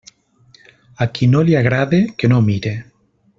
A qui no li agrade, que no mire.